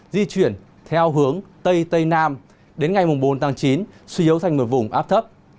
di chuyển theo hướng tây tây nam đến ngày bốn chín suy yếu thành một vùng áp thấp